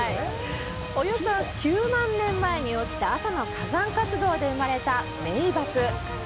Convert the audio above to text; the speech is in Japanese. およそ９万年前に起きた阿蘇の火山活動で生まれた名ばく。